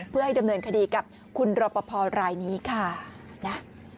เพื่อให้ดำเนินคดีกับคุณรอปภรายนี้ค่ะนะ